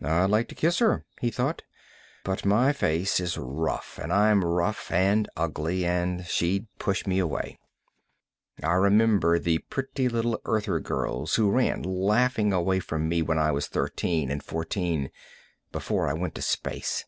I'd like to kiss her, he thought. But my face is rough, and I'm rough and ugly, and she'd push me away. I remember the pretty little Earther girls who ran laughing away from me when I was thirteen and fourteen, before I went to space.